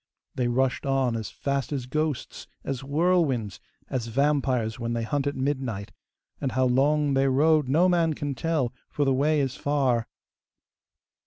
They rushed on as fast as ghosts, as whirlwinds, as vampires when they hunt at midnight, and how long they rode no man can tell, for the way is far.